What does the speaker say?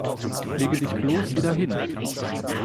Lege dich bloss wieder hin!